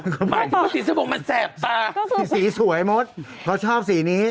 หมายถึงว่าสีสบงมันแสบตาสีสวยมดเขาชอบสีนี้